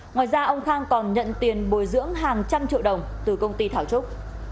ngoài ra ông khang còn nhận tiền bồi dưỡng hàng trăm triệu đồng từ công ty thảo trúc